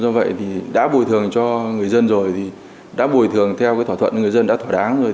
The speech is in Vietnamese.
do vậy thì đã bồi thường cho người dân rồi thì đã bồi thường theo cái thỏa thuận người dân đã thỏa đáng rồi